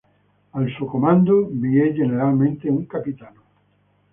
Al suo comando vi è generalmente un capitano.